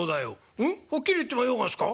「うん？はっきり言ってもようがすか？